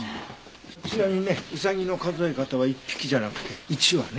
ちなみにねウサギの数え方は１匹じゃなくて１羽ね。